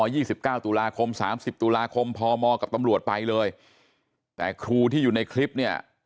สิบเก้าตุลาคมสามสิบตุลาคมพมกับตำรวจไปเลยแต่ครูที่อยู่ในคลิปเนี่ย